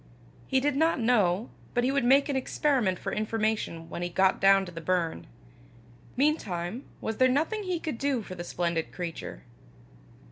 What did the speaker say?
He did not know, but he would make an experiment for information when he got down to the burn. Meantime was there nothing he could do for the splendid creature?